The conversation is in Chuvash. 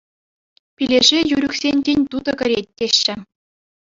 Пилеше юр ӳксен тин тутӑ кӗрет, теҫҫӗ.